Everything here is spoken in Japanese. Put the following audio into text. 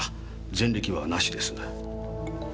前歴はなしです。